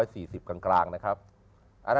อยู่ในความทรงจำของคนตั้งแต่ปี๑๔๐กลางนะครับ